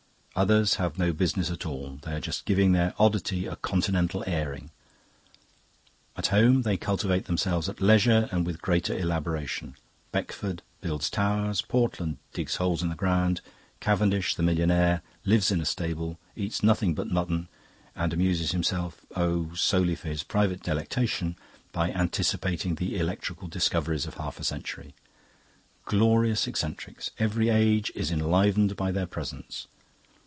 Others have no business at all; they are just giving their oddity a continental airing. At home they cultivate themselves at leisure and with greater elaboration. Beckford builds towers, Portland digs holes in the ground, Cavendish, the millionaire, lives in a stable, eats nothing but mutton, and amuses himself oh, solely for his private delectation by anticipating the electrical discoveries of half a century. Glorious eccentrics! Every age is enlivened by their presence.